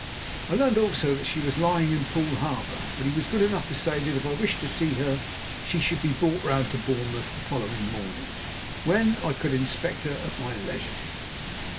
I learned also that she was lying in Poole harbour, but he was good enough to say that if I wished to see her she should be brought round to Bournemouth the following morning, when I could inspect her at my leisure.